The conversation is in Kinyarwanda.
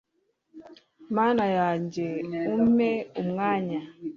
mana yanjye, umpe umwanya